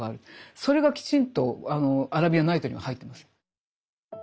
それがきちんと「アラビアン・ナイト」には入ってます。